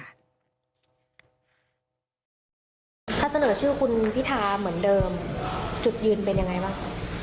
ถ้าเสนอชื่อคุณพิธาเหมือนเดิมจุดยืนเป็นยังไงบ้าง